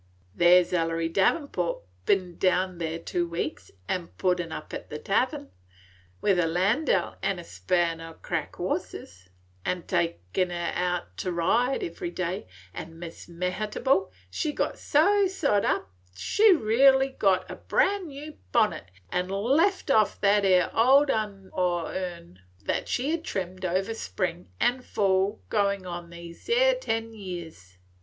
There 's Ellery Devenport ben down here these two weeks, a puttin' up at the tahvern, with a landau an' a span o' crack horses, a takin' on her out to ride every day, and Miss Mehitable, she 's so sot up, she 's reelly got a bran new bonnet, an' left off that 'ere old un o' hern that she 's had trimmed over spring an' fall goin' on these 'ere ten years.